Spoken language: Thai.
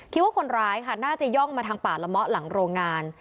คิดว่าคนร้ายค่ะน่าจะย่องมาทางป่าละเมาะหลังโรงงาน